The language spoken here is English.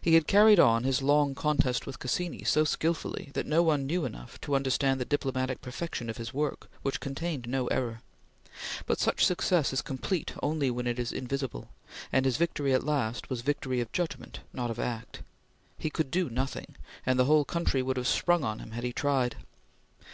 He had carried on his long contest with Cassini so skillfully that no one knew enough to understand the diplomatic perfection of his work, which contained no error; but such success is complete only when it is invisible, and his victory at last was victory of judgment, not of act. He could do nothing, and the whole country would have sprung on him had he tried.